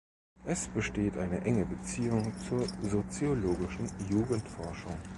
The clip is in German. Es besteht eine enge Beziehung zur soziologischen Jugendforschung.